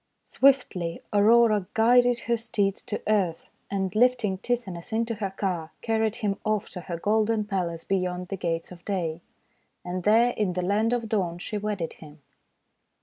Swiftly Aurora guided her steeds to earth, and lifting Tithonus into her car carried him off to her golden palace beyond the Gates of Day. And there in the Land of Dawn she wedded him.